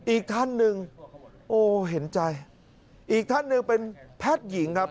อีกท่านหนึ่งโอ้เห็นใจอีกท่านหนึ่งเป็นแพทย์หญิงครับ